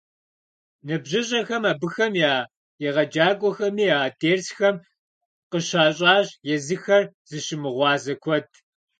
НыбжьыщӀэхэми абыхэм я егъэджакӀуэхэми а дерсхэм къыщащӀащ езыхэр зыщымыгъуазэ куэд.